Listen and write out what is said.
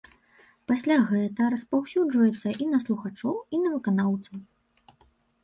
Пасля гэта распаўсюджваецца і на слухачоў і на выканаўцаў.